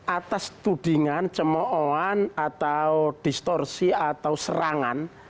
atas tudingan cemoon atau distorsi atau serangan